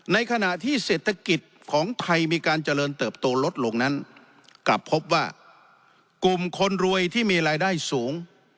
ในขณะที่เศรษฐกิจของไทยมีการเจริญเติบโตลดลงนั้นกลับพบว่ากลุ่มคนรวยที่มีรายได้สูง